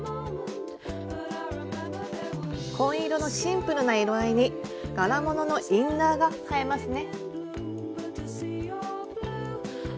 紺色のシンプルな色合いに柄物のインナーが映えますね。